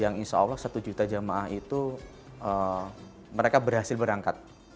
yang insya allah satu juta jamaah itu mereka berhasil berangkat